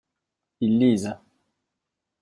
Ils lisent.